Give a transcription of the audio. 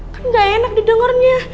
kan gak enak didengernya